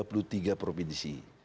terus satu provinsi ya